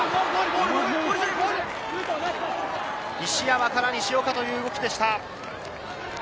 石山から西岡という動きでした。